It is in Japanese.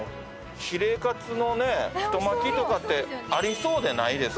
ヒレカツの太巻きとかってありそうでないですから